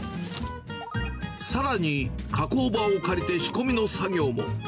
さらに、加工場を借りて仕込みの作業も。